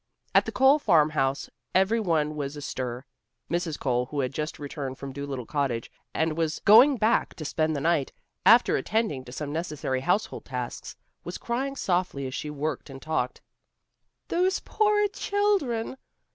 At the Cole farmhouse every one was astir. Mrs. Cole who had just returned from Dolittle Cottage, and was going back to spend the night, after attending to some necessary household tasks, was crying softly as she worked and talked. "Those poor children!